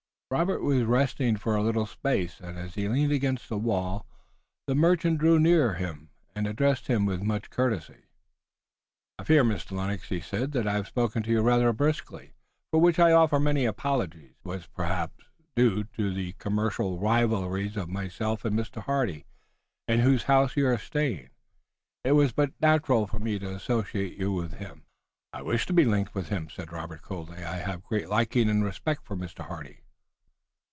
Robert was resting for a little space and as he leaned against the wall the merchant drew near him and addressed him with much courtesy. "I fear, Mr. Lennox," he said, "that I have spoken to you rather brusquely, for which I offer many apologies. It was due, perhaps, to the commercial rivalries of myself and Mr. Hardy, in whose house you are staying. It was but natural for me to associate you with him." "I wish to be linked with him," said Robert, coldly. "I have a great liking and respect for Mr. Hardy."